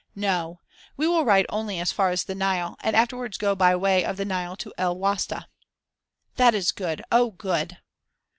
"No. We will ride only as far as the Nile, and afterwards go by way of the Nile to El Wasta." "That is good! oh, good!"